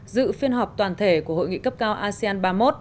dự phiên họp toàn thể của hội nghị cấp cao asean ba mươi một